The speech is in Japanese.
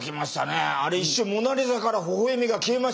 あれ一瞬「モナ・リザ」からほほ笑みが消えましたからね。